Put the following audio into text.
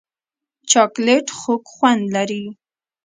چاکلېټ خوږ خوند لري.